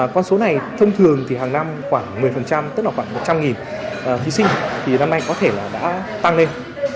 con số này thông thường thì hàng năm khoảng một mươi tức là khoảng một trăm linh thí sinh thì năm nay có thể là đã tăng lên